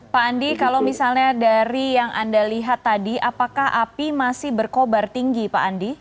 pak andi kalau misalnya dari yang anda lihat tadi apakah api masih berkobar tinggi pak andi